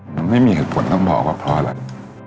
มันไม่มีเหตุผลต้องบอกว่าเพราะอะไร